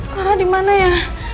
clara dimana ya